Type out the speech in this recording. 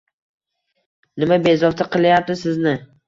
Nima bezovta qilayapti sizni.